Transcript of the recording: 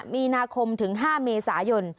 ๑๕มีนาคม๕เมษายน